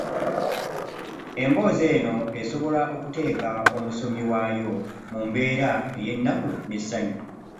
Emboozi eno esobola okuteeka omusomi waayo mu mbeera ey’ennaku n’essanyu.